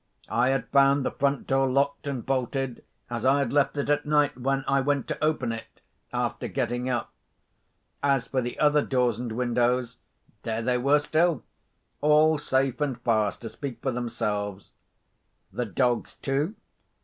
I had found the front door locked and bolted, as I had left it at night, when I went to open it, after getting up. As for the other doors and windows, there they were still, all safe and fast, to speak for themselves. The dogs, too?